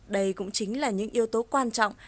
đây cũng chính là những yếu tố quan trọng